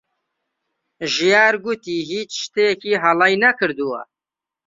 ژیار گوتی هیچ شتێکی هەڵەی نەکردووە.